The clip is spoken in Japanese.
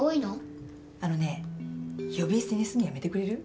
あのね呼び捨てにすんのやめてくれる？